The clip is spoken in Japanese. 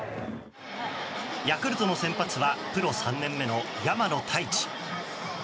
ヤクルトの先発はプロ３年目の山野太一。